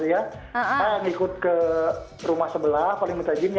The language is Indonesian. saya yang ikut ke rumah sebelah paling minta izin ya